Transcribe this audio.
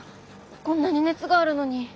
こんなに熱があるのに。